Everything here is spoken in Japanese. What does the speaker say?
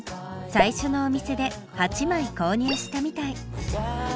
最初のお店で８枚購入したみたい。